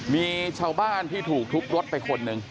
มีชาวบ้านที่ถูกทุบรถไปคนหนึ่ง